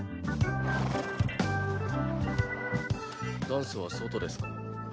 ダンスは外ですか？